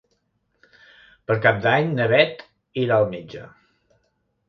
Per Cap d'Any na Beth irà al metge.